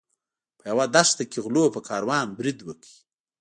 په یوه دښته کې غلو په کاروان برید وکړ.